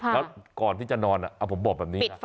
แล้วก่อนที่จะนอนผมบอกแบบนี้นะ